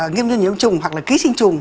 nguyên nhân nhiễm trùng hoặc là ký sinh trùng